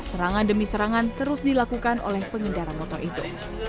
serangan demi serangan terus dilakukan oleh pengendara motor itu